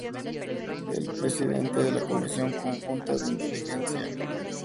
Es el presidente de la Comisión Conjunta de Inteligencia.